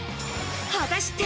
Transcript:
果たして。